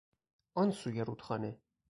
آن سوی رودخانه